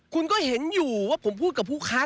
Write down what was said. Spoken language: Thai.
คุณก็เห็นอยู่ว่าผมพูดกับผู้ค้า